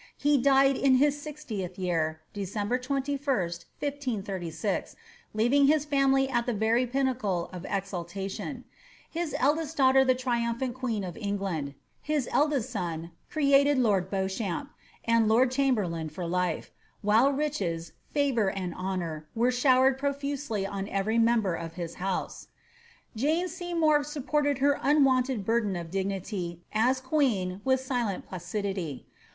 He died in his sixtieth year, December 21, 1536,' leaving his family at the rery pinnacle of exaltation; his eldest daughter the triumphant <liieen of England ; his eldest son created lord Beauchamp, and lord chunberlain for life ; while riches, favour, and honour, were showered profusely on every member of his house. Jane Seymour supported her unwonted burden of dignity as queen with silent placidity.